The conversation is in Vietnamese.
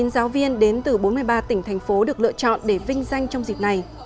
chín mươi giáo viên đến từ bốn mươi ba tỉnh thành phố được lựa chọn để vinh danh trong dịp này